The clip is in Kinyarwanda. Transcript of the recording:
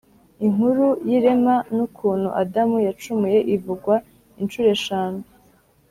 inkuru y’irema n’ukuntu adamu yacumuye ivugwa incuro eshanu